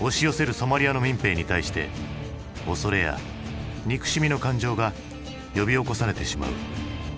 ソマリアの民兵に対して恐れや憎しみの感情が呼び起こされてしまう。